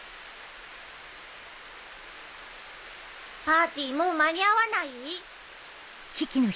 パーティーもう間に合わない？